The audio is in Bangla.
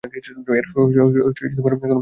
এর কোনো প্রয়োজন ছিল না।